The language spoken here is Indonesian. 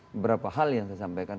beberapa hal yang saya sampaikan